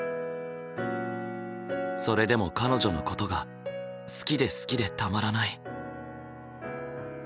それでも彼女のことが好きで好きでたまらない。